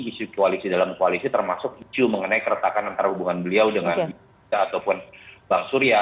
isu koalisi dalam koalisi termasuk isu mengenai keretakan antara hubungan beliau dengan ibu ataupun bang surya